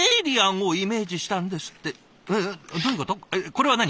これは何？